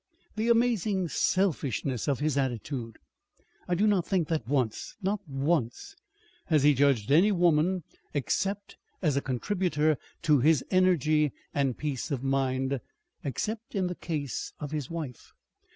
"The amazing selfishness of his attitude! I do not think that once not once has he judged any woman except as a contributor to his energy and peace of mind.... Except in the case of his wife....